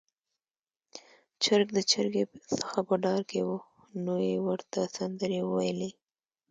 چرګ د چرګې څخه په ډار کې و، نو يې ورته سندرې وويلې